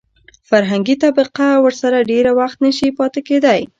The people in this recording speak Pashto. فرهنګي طبقه ورسره ډېر وخت نشي پاتې کېدای.